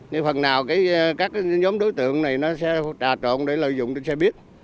nhưng phần nào các nhóm đối tượng này nó sẽ trà trộn để lợi dụng trên xe buýt